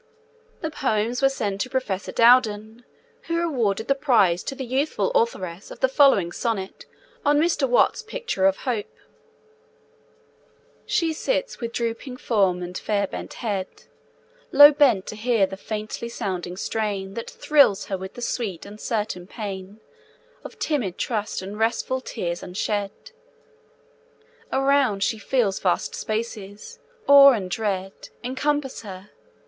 The poems were sent to Professor Dowden, who awarded the prize to the youthful authoress of the following sonnet on Mr. Watts's picture of Hope: She sits with drooping form and fair bent head, Low bent to hear the faintly sounding strain That thrills her with the sweet uncertain pain Of timid trust and restful tears unshed. Around she feels vast spaces. Awe and dread Encompass her.